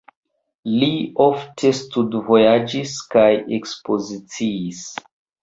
Li ofte studvojaĝis kaj ekspoziciis.